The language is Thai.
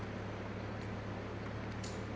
อัศวินธรรมชาติ